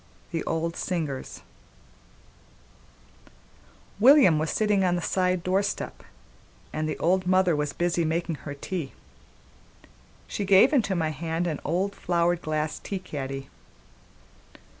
XI. The Old Singers WILLIAM WAS sitting on the side door step, and the old mother was busy making her tea; she gave into my hand an old flowered glass tea caddy.